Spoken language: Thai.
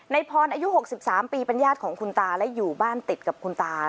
พรอายุ๖๓ปีเป็นญาติของคุณตาและอยู่บ้านติดกับคุณตา